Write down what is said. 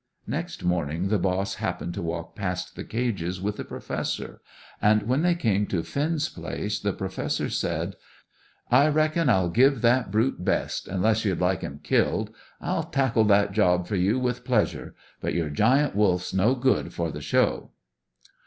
Next morning the boss happened to walk past the cages with the Professor, and when they came to Finn's place the Professor said "I reckon I'll give that brute best, unless you'd like him killed. I'll tackle that job for you with pleasure; but your Giant Wolf's no good for the show."